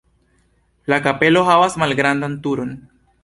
La kapelo havas malgrandan turon.